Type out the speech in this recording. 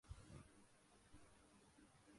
mark Marquez نے جرمنی Grand Prix motto جی پی race جیت لی